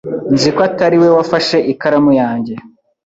Nzi ko atari we wafashe ikaramu yanjye.